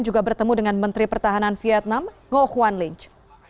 juga bertemu dengan menteri pertahanan vietnam ngo kwan linch